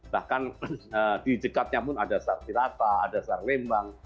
bahkan di dekatnya pun ada sar tirata ada sar lembang